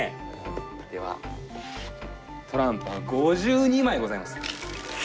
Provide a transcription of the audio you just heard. ではトランプは５２枚ございます。